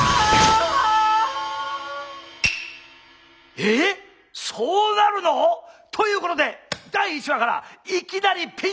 ええっそうなるの！？ということで第一話からいきなりピンチの中蔵！